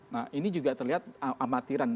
nah ini juga terlihat amatiran